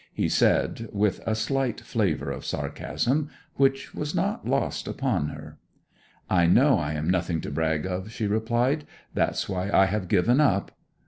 he said with a slight flavour of sarcasm, which was not lost upon her. 'I know I am nothing to brag of,' she replied. 'That's why I have given up.'